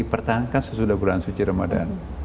pertahankan sesudah bulan suci ramadan